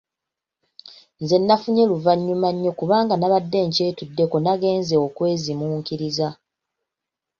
Nze nafunye luvanyuma nnyo kubanga nabadde nkyetuddeko nagenze okwezimuukiriza.